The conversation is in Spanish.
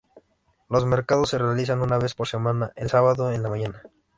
Los mercados se realizan una vez por semana, el sábado en la mañana.